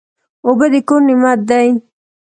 اوبه د کور نعمت دی.